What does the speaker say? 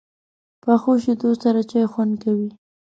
پخو شیدو سره چای خوند کوي